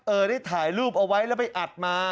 ได้ถ่ายรูปเอาไว้แล้วไปอัดมา